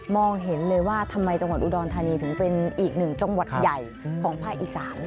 เห็นเลยว่าทำไมจังหวัดอุดรธานีถึงเป็นอีกหนึ่งจังหวัดใหญ่ของภาคอีสาน